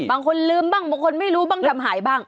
บางคนลืมบ้างบางคนไม่รู้บ้างทำหายบ้าง